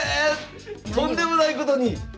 とんでもないことに！